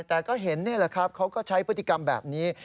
แต่ก็เห็นนี่แหละครับเขาก็ใช้พฤติกรรมแบบนี้